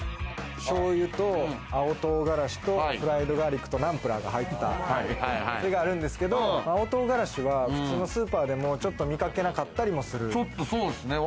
醤油と青唐辛子とフライドガーリックとナンプラーが入った、それがあるんですけど、青唐辛子は普通のスーパーでもちょっと見かけなかったりもする。